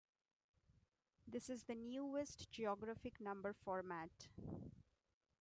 This is the newest geographic number format.